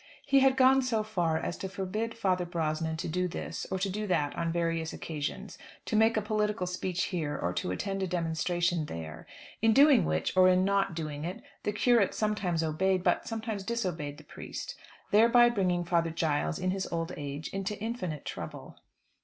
He had gone so far as to forbid Father Brosnan to do this, or to do that on various occasions, to make a political speech here, or to attend a demonstration there; in doing which, or in not doing it, the curate sometimes obeyed, but sometimes disobeyed the priest, thereby bringing Father Giles in his old age into infinite trouble.